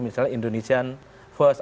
misalnya indonesian first